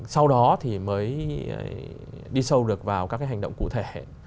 sau đó thì mới đi sâu được vào các cái hành động cụ thể